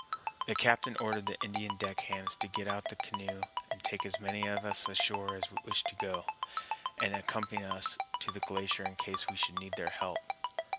The captain ordered the Indian deck hands to get out the canoe, take as many of us ashore as wished to go, and accompany us to the glacier in case we should need their help.